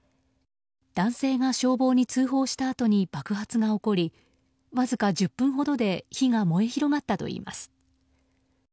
男性が消防に通報したあとに爆発が起こりわずか１０分ほどで火が燃え広がったといいます。